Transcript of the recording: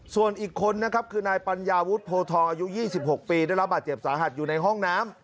ส่วนอีกคนนะครับคือนายปัญญาวุฒิโพทองอายุ๒๖ปีได้รับบาดเจ็บสาหัสอยู่ในห้องน้ำ